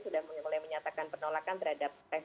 sudah mulai menyatakan penolakan terhadap